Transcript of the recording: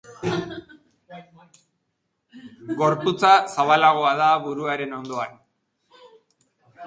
Gorputza zabalagoa da buruaren ondoan.